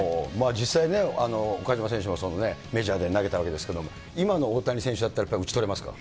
実際ね、岡島選手もメジャーで投げたわけですけれども、今の大谷選手だったら、やっぱり打ち取れますか？